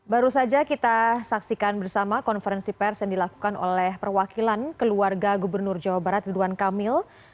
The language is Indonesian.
baru saja kita saksikan bersama konferensi pers yang dilakukan oleh perwakilan keluarga gubernur jawa barat ridwan kamil